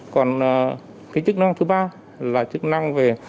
còn cái chức năng thứ ba là chức năng về